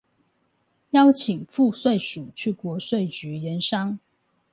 邀請賦稅署去國稅局研商